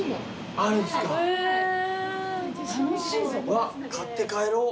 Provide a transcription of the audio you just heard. うわ買って帰ろう。